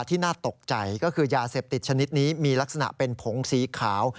ที่น่าตกใจก็คือยาเสพติดชนิดนี้มีลักษณะเป็นผงสีขาว